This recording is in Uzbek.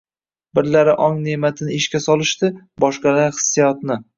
birlari ong ne’matini ishga solishdi, boshqalari hissiyotni.